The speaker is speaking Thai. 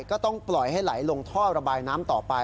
ก็ต้องปล่อยให้ไหลลงท่อระบายน้ำต่อไป